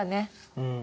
うん。